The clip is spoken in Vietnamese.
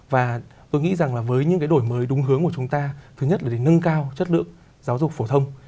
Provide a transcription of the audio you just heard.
và tôi nghĩ rằng là với những cái đổi mới đúng hướng của chúng ta thứ nhất là để nâng cao chất lượng giáo dục phổ thông